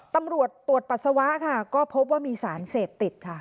ตำรวจตรวจปัสสาวะค่ะก็พบว่ามีสารเสพติดค่ะ